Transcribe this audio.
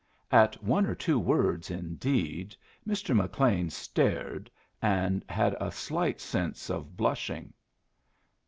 At one or two words, indeed, Mr. McLean stared and had a slight sense of blushing.